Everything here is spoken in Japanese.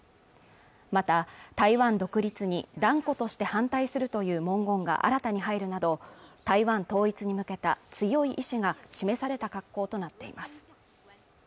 また台湾独立に断固として反対するという文言が新たに入るなど台湾統一に向けた強い意志が示された格好となっています